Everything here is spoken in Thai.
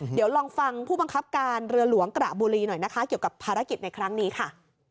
เดี๋ยวลองฟังผู้บังคับการเรือหลวงกระบุรีหน่อยนะคะเกี่ยวกับภารกิจในครั้งนี้ค่ะ